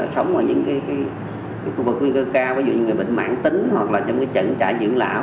sống ở những khu vực nguy cơ cao ví dụ như bệnh mạng tính hoặc là trong trận trại dưỡng lão